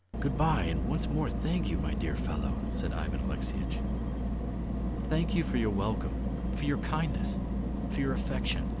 "Good bye and once more thank you, my dear fellow!" said Ivan Alexeyitch. "Thank you for your welcome, for your kindness, for your affection. ...